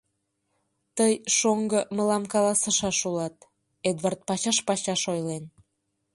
— Тый, шоҥго, мылам каласышаш улат, — Эдвард пачаш-пачаш ойлен.